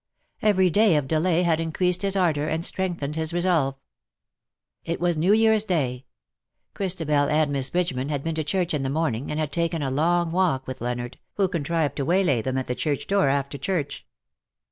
Every day of delay had increased his ardour and strengthened his resolve. It was New Yearns day. Christabel and Miss Bridgeman had been to church in the morning, and had taken a long walk with Leonard, who contrived to waylay them at the church door after church.